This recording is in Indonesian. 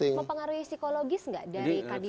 mempengaruhi psikologis nggak dari kandidat